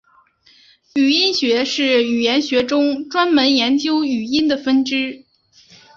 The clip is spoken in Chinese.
语音学是语言学中专门研究语音的分支。